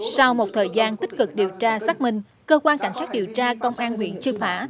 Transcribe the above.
sau một thời gian tích cực điều tra xác minh cơ quan cảnh sát điều tra công an huyện chư mã